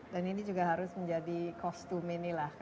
dan ini juga harus menjadi kostum ini lah